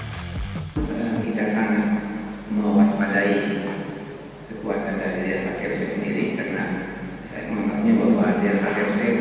saya sangat memuas padai kekuatan dari delta sidoarjo sendiri karena saya menganggapnya bahwa delta sidoarjo adalah satu bagian jajangan